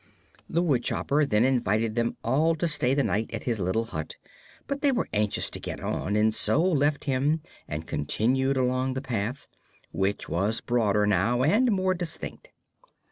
The woodchopper then invited them all to stay the night at his little hut, but they were anxious to get on and so left him and continued along the path, which was broader, now, and more distinct.